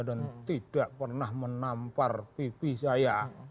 tidak pernah menampar pipi saya